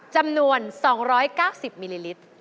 จำนวน๒๙๐มิลลิลิตร